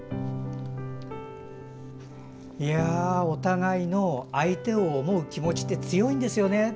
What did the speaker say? お互いの相手を思う気持ち強いんですよね。